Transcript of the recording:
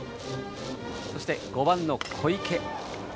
そして、５番の小池。